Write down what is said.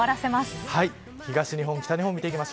東日本、北日本です。